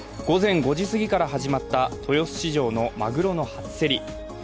午前５時すぎから始まった豊洲市場のまぐろの初競り。